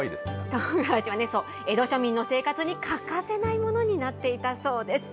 とうがらしはそう、江戸庶民の生活に欠かせないものになっていたそうです。